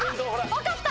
分かった。